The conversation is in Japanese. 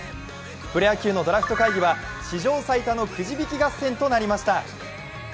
プロ野球のドラフト会議は史上最多のくじ引き合戦となりました。